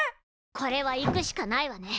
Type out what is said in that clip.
これは行くしかないわね。